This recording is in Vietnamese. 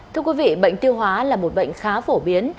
thưa quý vị bệnh tiêu hóa là một bệnh khá phổ biến